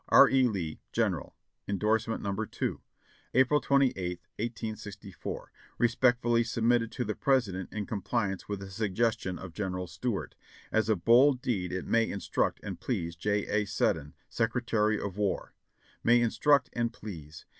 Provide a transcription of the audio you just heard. R. E. Lee, "General. "(Indorsement No. 2.) "April 28th, 1864. "Respectfully submitted to the President in compliance with a suggestion of General Stuart. As a bold deed it may instruct and please. J. A. Sedden, "Secretary of War." "May instruct and please!"